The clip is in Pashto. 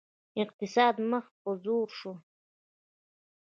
اقتصاد مخ په ځوړ شو